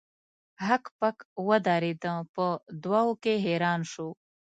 هک پک ودریده په دوه وو کې حیران شو.